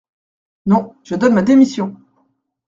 Non, je donne ma démission !